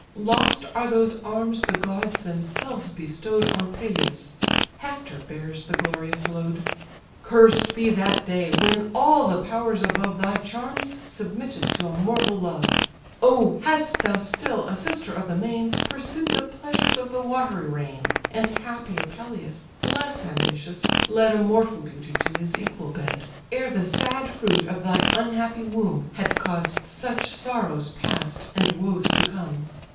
Lost are those arms the gods themselves bestow'd On Peleus; Hector bears the glorious load. Cursed be that day, when all the powers above Thy charms submitted to a mortal love: O hadst thou still, a sister of the main, Pursued the pleasures of the watery reign: And happier Peleus, less ambitious, led A mortal beauty to his equal bed! Ere the sad fruit of thy unhappy womb Had caused such sorrows past, and woes to come.